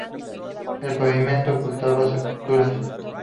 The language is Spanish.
El pavimento ocultaba sepulturas.